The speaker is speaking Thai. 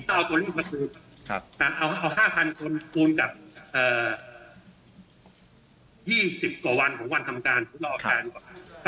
เอา๕๐๐๐คนคูณกับ๒๐กว่าวันของวันทำการ